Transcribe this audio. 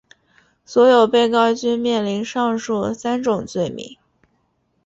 所有被告均面临上述三项罪名。